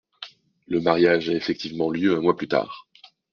Le mariage a effectivement lieu un mois plus tard.